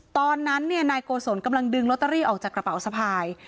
ตอนนั้นนายโกศลกำลังดึงลอตเตอรี่ออกจากกระเป๋าสะพาย